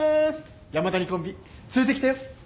山谷コンビ連れてきたよ。